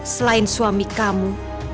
selain suami kamu